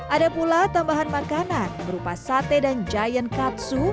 ada pula tambahan makanan berupa sate dan giant katsu